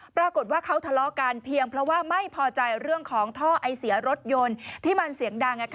ปรากฏว่าเขาทะเลาะกันเพียงเพราะว่าไม่พอใจเรื่องของท่อไอเสียรถยนต์ที่มันเสียงดัง